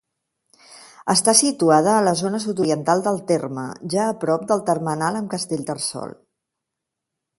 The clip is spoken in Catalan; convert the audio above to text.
Està situada a la zona sud-oriental del terme, ja a prop del termenal amb Castellterçol.